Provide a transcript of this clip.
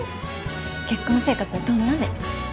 結婚生活はどんなね？